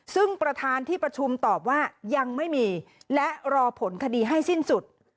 ซึ่งประธานที่ประชุมตอบว่ายังไม่มีและรอผลคดีให้สิ้นสุด